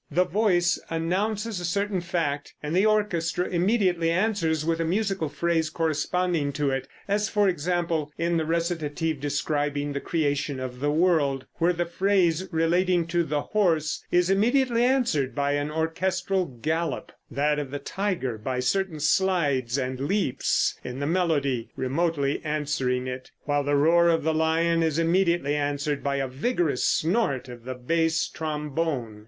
The voice announces a certain fact and the orchestra immediately answers with a musical phrase corresponding to it, as, for example, in the recitative describing the creation of the world, where the phrase relating to the horse is immediately answered by an orchestral gallop; that of the tiger by certain slides and leaps in the melody remotely answering it; while the roar of the lion is immediately answered by a vigorous snort of the bass trombone.